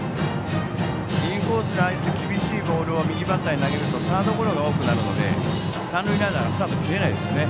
インコースにああやって厳しいボールを右バッターに投げるとサードゴロが多くなるので三塁ランナーがスタート切れないですね。